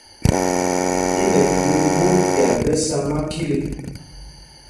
I nɛ thund ɓot pyat ɓɛ sá makit ê.